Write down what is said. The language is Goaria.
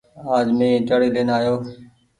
آج مين ائيٽآڙي لين آيو ۔